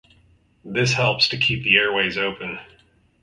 This helps to keep the airways open.